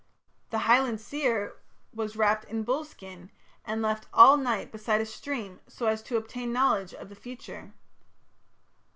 The Highland seer was wrapped in a bull's skin and left all night beside a stream so as to obtain knowledge of the future.